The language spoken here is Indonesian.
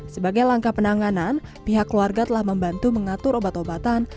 sebagai langkah penanganan pihak keluarga telah membantu mengatur obat obatan